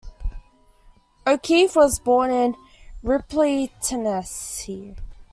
O'Keeffe was born in Ripley, Tennessee.